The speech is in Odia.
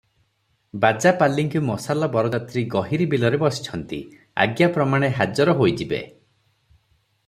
ବାଜା ପାଲିଙ୍କି ମଶାଲ ବରଯାତ୍ରୀ ଗହୀରି ବିଲରେ ବସିଛନ୍ତି, ଆଜ୍ଞାପ୍ରମାଣେ ହାଜର ହୋଇଯିବେ ।"